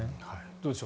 どうでしょう。